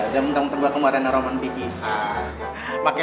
jadi gue ikutan juga